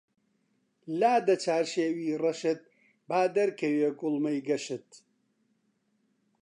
لادە چارشێوی ڕەشت با دەرکەوێ کوڵمەی گەشت